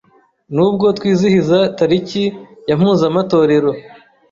Nubwo twizihiza tariki ya mpuzamatorero